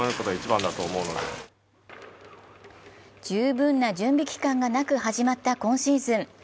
十分な準備期間がなく始まった今シーズン。